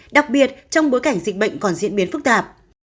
đặc biệt trong bối cảnh dịch bệnh còn diễn biến phức tạp